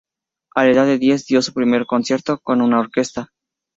A la edad de diez dio su primer concierto con una orquesta.